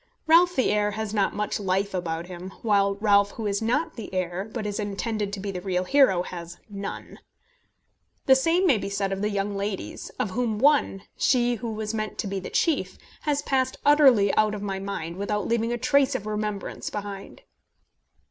Ralph the heir has not much life about him; while Ralph who is not the heir, but is intended to be the real hero, has none. The same may be said of the young ladies, of whom one, she who was meant to be the chief, has passed utterly out of my mind, without leaving a trace of remembrance behind.